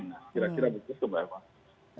kira kira begitu mbak elvan